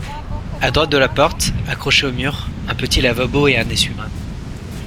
À droite de la porte, accrochés au mur, un petit lavabo et un essuie-mains.